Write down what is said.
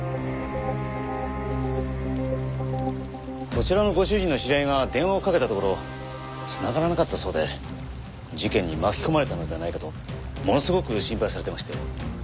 こちらのご主人の知り合いが電話をかけたところ繋がらなかったそうで事件に巻き込まれたのではないかとものすごく心配されてまして。